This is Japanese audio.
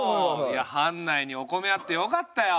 いや藩内にお米あってよかったよ。